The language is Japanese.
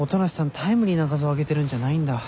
タイムリーな画像上げてるんじゃないんだ。